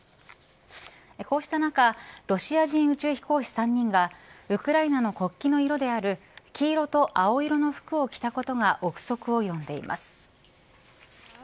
こうした中ロシア人宇宙飛行士３人がウクライナの国旗の色である黄色と青色の服を着たことが臆測を呼んでいます。